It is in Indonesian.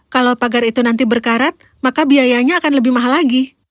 kalau pagar itu nanti berkarat maka biayanya akan lebih mahal lagi